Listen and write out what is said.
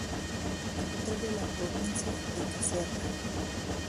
Capital de la provincia de Caserta.